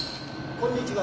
こんにちは。